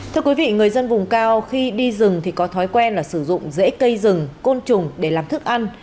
thưa quý vị người dân vùng cao khi đi rừng thì có thói quen là sử dụng dễ cây rừng côn trùng để làm thức ăn